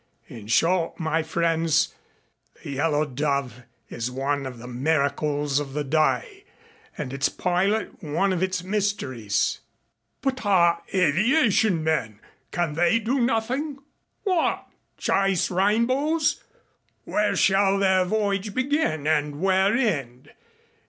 In short, my friends, the Yellow Dove is one of the miracles of the day and its pilot one of its mysteries." "But our aviation men can they do nothing?" "What? Chase rainbows? Where shall their voyage begin and where end?